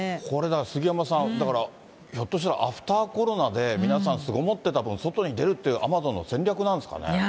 これ、だから杉山さん、だからひょっとしたら、アフターコロナで、皆さん、巣ごもってたぶん、外に出るって、アマゾンの戦略なんですかね。